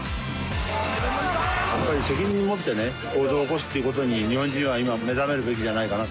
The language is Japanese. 責任を持って行動を起こすっていうことに日本人は今目覚めるべきじゃないかな。